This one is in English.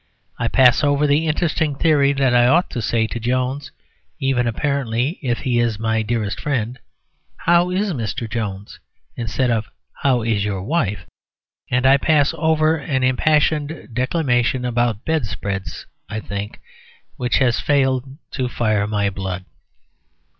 I pass over the interesting theory that I ought to say to Jones (even apparently if he is my dearest friend), "How is Mrs. Jones?" instead of "How is your wife?" and I pass over an impassioned declamation about bedspreads (I think) which has failed to fire my blood.